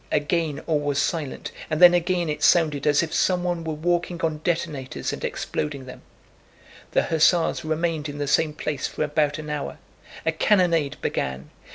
Again all was silent and then again it sounded as if someone were walking on detonators and exploding them. The hussars remained in the same place for about an hour. A cannonade began.